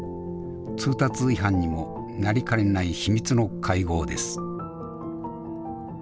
通達違反にもなりかねない秘密の会合です。